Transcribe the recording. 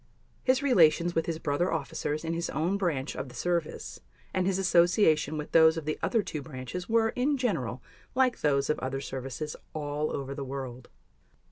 His relations with his brother officers in his own branch of the service and his association with those of the other two branches were, in general, like those of other services all over the world.